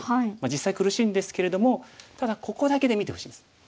実際苦しいんですけれどもただここだけで見てほしいんです。